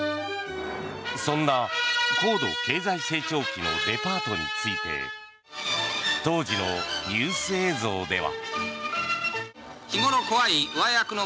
そんな高度経済成長期のデパートについて当時のニュース映像では。